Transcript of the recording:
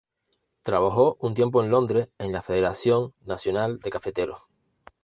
Trabajó un tiempo en Londres en la Federación Nacional de Cafeteros.